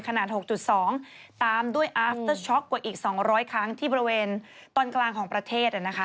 ขนาด๖๒ตามด้วยอาฟเตอร์ช็อกกว่าอีก๒๐๐ครั้งที่บริเวณตอนกลางของประเทศนะคะ